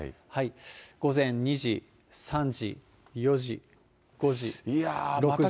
午前２時、３時、４時、５時、６時。